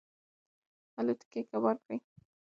الوتکې یې کباړ کړې.